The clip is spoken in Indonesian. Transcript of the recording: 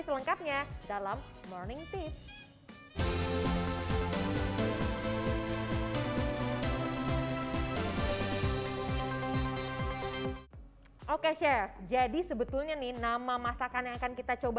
selengkapnya dalam morning tips oke chef jadi sebetulnya nih nama masakan yang akan kita coba